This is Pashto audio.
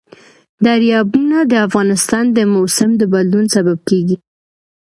دریابونه د افغانستان د موسم د بدلون سبب کېږي.